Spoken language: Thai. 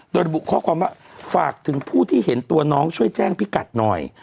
โดยระบุข้อความว่าฝากถึงผู้ที่เห็นตัวน้องช่วยแจ้งพี่กัดหน่อย